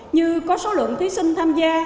như có số lượng thí sinh tham gia